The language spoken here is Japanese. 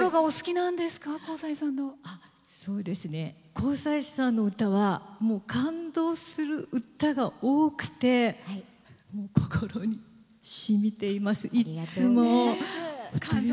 香西さんの歌は感動する歌が多くて心にしみています、いつも。